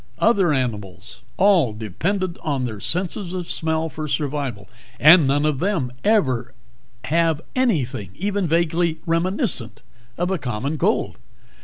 Other animals all dependent on their senses of smell for survival and none of them ever have anything even vaguely reminiscent of a common cold.